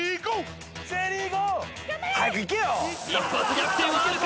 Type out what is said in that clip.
一発逆転はあるか？